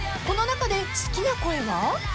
［この中で好きな声は？］